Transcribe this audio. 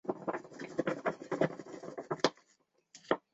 之后又恢复官职。